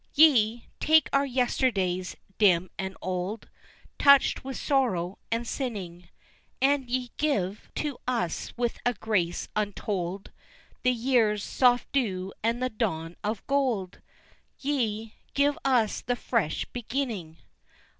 Ye take our yesterdays dim and old, Touched with sorrow and sinning, And ye give to us with a grace untold The year's soft dew and the dawn of gold, Ye give us the fresh beginning.